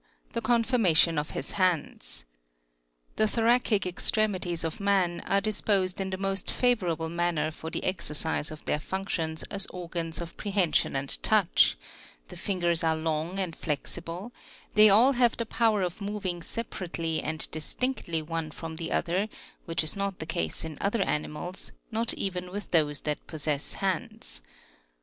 The conformation of his hands. The thoracic extremi ties of man are disposed in the most favourable manner for the exercise of their functions as organs of prehension and touch : the lingers are long and flexible ; they all have the power of moving separately and distinctly one from the other, which is not the case in other animals, not even with those that possess hands.